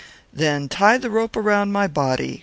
Now tie the rope round my body."